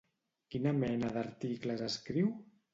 Quina mena d'articles escriu?